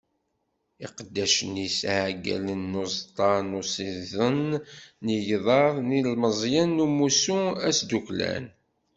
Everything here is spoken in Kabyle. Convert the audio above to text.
Iqeddacen-is, iɛeggalen n uẓeṭṭa n usiḍen n yigḍaḍ d yilemẓiyen n umussu asdukklan.